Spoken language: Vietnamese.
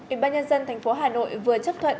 ủy ban nhân dân tp hà nội vừa chấp thuận